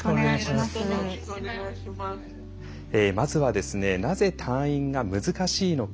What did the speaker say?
まずは、なぜ退院が難しいのか。